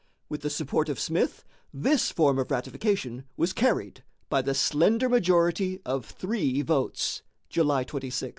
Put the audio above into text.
With the support of Smith, this form of ratification was carried by the slender majority of three votes (July 26, 1788).